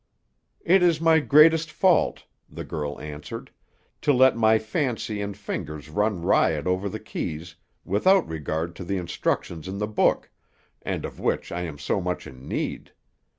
"It is my greatest fault," the girl answered, "to let my fancy and fingers run riot over the keys, without regard to the instructions in the book, and of which I am so much in need.